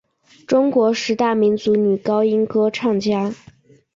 中国十大民族女高音歌唱家。